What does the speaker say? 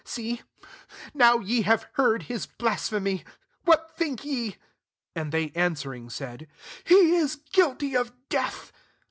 see, now ye have heard [hisj blasphemy. 66 What think ye ?'' And they answering, siod^ *« He is guilty of death.